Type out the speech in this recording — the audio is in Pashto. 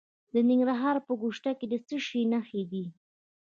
د ننګرهار په ګوشته کې د څه شي نښې دي؟